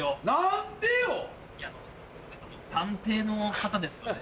探偵の方ですよね？